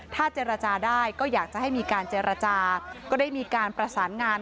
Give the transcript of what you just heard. ถ้าเจรจาได้ก็อยากจะให้มีการเจรจาก็ได้มีการประสานงาน